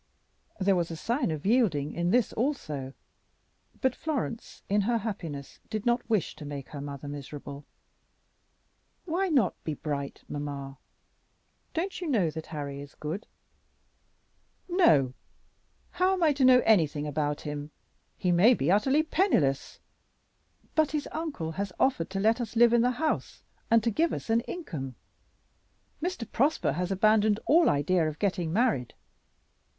There was a sign of yielding in this also; but Florence in her happiness did not wish to make her mother miserable, "Why not be bright, mamma? Don't you know that Harry is good?" "No. How am I to know anything about him? He may be utterly penniless." "But his uncle has offered to let us live in the house and to give us an income. Mr. Prosper has abandoned all idea of getting married."